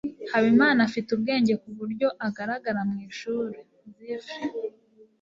habimana afite ubwenge kuburyo agaragara mwishuri. (zifre